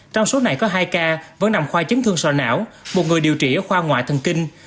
trong số này có hai ca vẫn nằm khoa chấn thương sò não một người điều trị ở khoa ngoại thần kinh